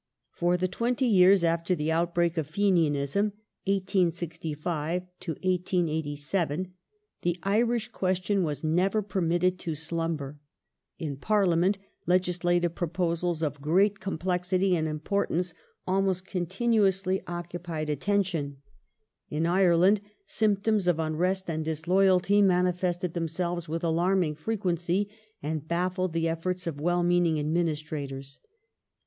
For the twenty years after the outbreak of Fenianism (1865 1887) the Irish question was never permitted to slumber : in Parh'ament legislative proposals of great complexity and importance almost continuously occupied attention ; in Ireland symptoms of unrest and disloyalty manifested themselves with alarming frequency, and baffled the efforts of well meaning admin istrators.